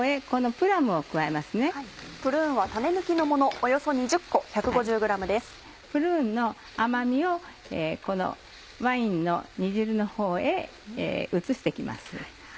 プルーンの甘みをこのワインの煮汁のほうへ移して行きます。